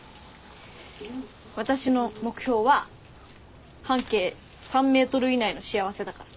私の目標は半径３ｍ以内の幸せだから。